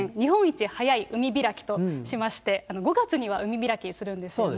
しららはまは例年、日本一早い海開きとしまして、５月には海開きするんですよね。